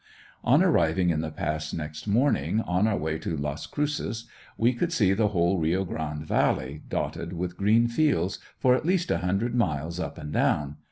On arriving in the Pass next morning, on our way to Las Cruces, we could see the whole Rio Grande valley, dotted with green fields, for at least a hundred miles up and down.